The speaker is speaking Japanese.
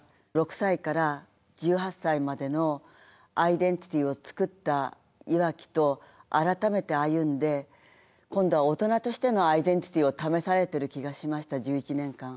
６歳から１８歳までのアイデンティティーをつくったいわきと改めて歩んで今度は大人としてのアイデンティティーを試されてる気がしました１１年間。